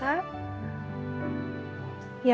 ya udah hati hati ya